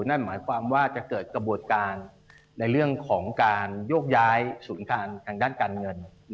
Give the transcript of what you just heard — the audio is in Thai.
นั่นหมายความว่าจะเกิดกระบวนการในเรื่องของการโยกย้ายศูนย์การทางด้านการเงิน